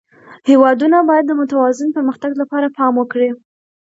هېوادونه باید د متوازن پرمختګ لپاره پام وکړي.